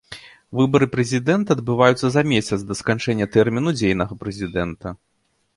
Выбары прэзідэнта адбываюцца за месяц да сканчэння тэрміну дзейнага прэзідэнта.